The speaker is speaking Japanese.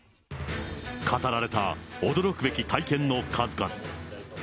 語られた驚くべき体験の数々。